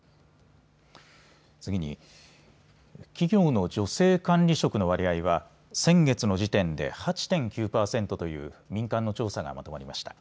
次に企業の女性管理職の割合は先月の時点で８．９％という民間の調査がまとまりました。